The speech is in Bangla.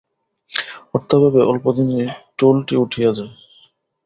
অর্থাভাবে অল্প দিনেই টোলটি উঠিয়া যায়।